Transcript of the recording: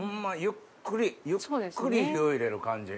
ゆっくりゆっくり火を入れる感じ。